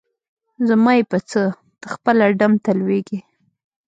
زما یی په څه؟ ته خپله ډم ته لویږي.